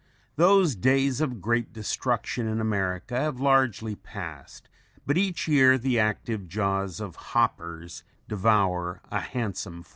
Those days of great destruction in America have largely passed but each year the active jaws of "hoppers" devour a handsome fortune.